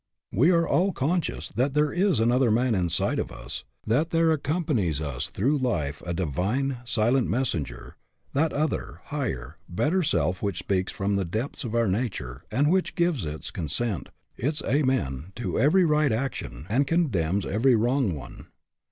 We are all conscious that there is another man inside of us; that there accompanies us through life a divine, silent messenger that other, higher, better self which speaks from the depths of our nature and which gives its consent, its "Amen," to every right action, and condemns every wrong one.